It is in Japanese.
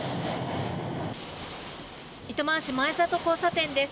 糸満市真栄里交差点です。